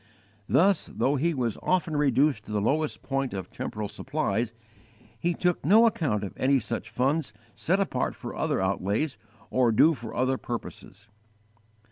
_ Thus, though he was often reduced to the lowest point of temporal supplies, he took no account of any such funds set apart for other outlays or due for other purposes.